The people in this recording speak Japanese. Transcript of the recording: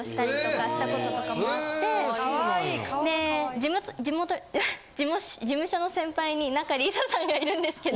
でじもと事務所の先輩に仲里依紗さんがいるんですけど。